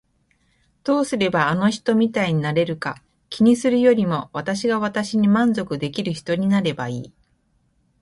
どうすればあの人みたいになれるか気にするよりも私が私に満足できる人になればいい。